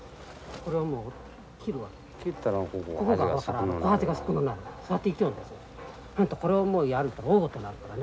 これをもうやると大ごとなるからね。